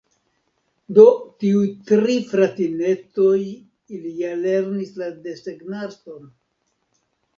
"Do, tiuj tri fratinetojili ja lernis la desegnarton"